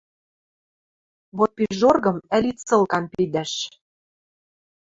Вот пижоргым ӓли цылкам пидӓш...